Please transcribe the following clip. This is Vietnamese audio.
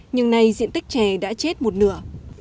nhưng nay diện tích chè đã chết một nửa